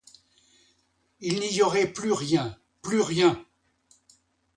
Il n'y aurait plus rien, plus rien!